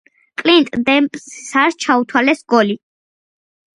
კლინტ დემპსის არ ჩაუთვალეს გოლი.